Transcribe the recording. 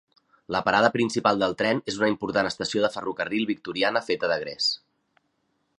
La parada principal del tren és una important estació de ferrocarril victoriana feta de gres.